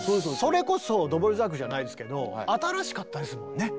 それこそドボルザークじゃないですけど新しかったですもんね。